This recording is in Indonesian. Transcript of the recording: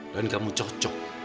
dan kamu cocok